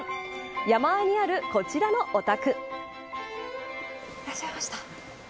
山あいにあるこちらのお宅。